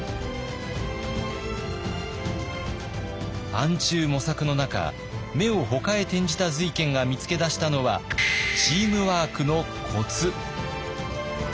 暗中模索の中目をほかへ転じた瑞賢が見つけ出したのはチームワークのコツ。